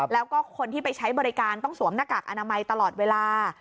แล้วก็คนที่ไปใช้บริการต้องสวมหน้ากากอนามัยตลอดเวลา